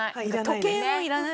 時計もいらないし。